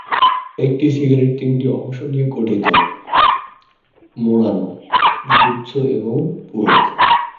একটি সিগার তিনটি অংশ নিয়ে গঠিত, মোড়ানো, গুচ্ছ এবং পূরক।